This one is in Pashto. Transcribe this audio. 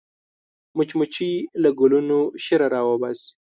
مچمچۍ له ګلونو شیره راوباسي